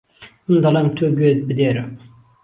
من دهڵيم تۆ گوێ بدێره